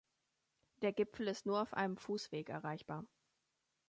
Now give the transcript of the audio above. Der Gipfel ist nur auf einem Fußweg erreichbar.